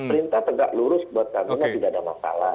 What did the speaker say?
perintah tegak lurus buat kami tidak ada masalah